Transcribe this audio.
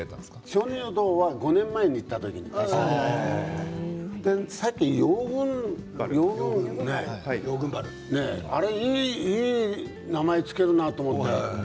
鍾乳洞は５年前に行った時にさっき羊群原いい名前を付けるなと思って。